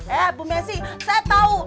hei bu messi saya tau